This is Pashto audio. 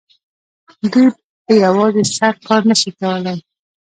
دوی په یوازې سر کار نه شي کولای